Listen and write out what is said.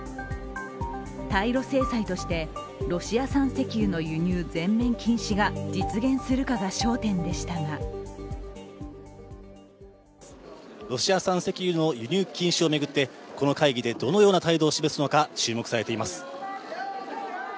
対ロ制裁としてロシア産石油の輸入全面禁止が実現するかが焦点でしたがロシア産石油の輸入禁止を巡ってこの会議でどのような態度を示すのか注目されています。